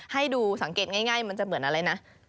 ให้ดูสังเกตง่ายมันจะเหมือนอะไรนะ